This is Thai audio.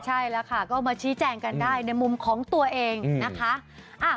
ใช่แล้วค่ะก็มาชี้แจงกันได้ในมุมของตัวเองนะคะ